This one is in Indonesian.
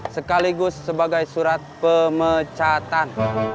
sekaligus sebagai surat pemecatan